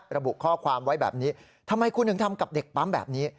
ระบุข้อความไว้แบบนี้ทำไมคุณถึงทำกับเด็กปั๊มแบบนี้